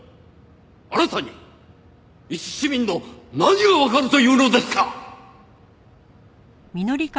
あなたにいち市民の何がわかるというのですか！？